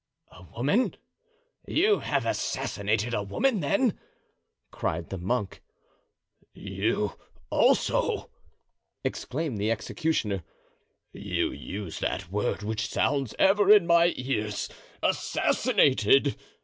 "A woman! You have assassinated a woman, then?" cried the monk. "You also!" exclaimed the executioner, "you use that word which sounds ever in my ears—'assassinated!